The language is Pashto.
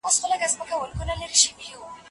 قوانین د نظم لپاره جوړ سوي دي.